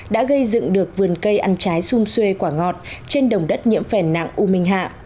đã gây dựng được vườn cây ăn trái xung xuê quả ngọt trên đồng đất nhiễm phèn nặng u minh hạ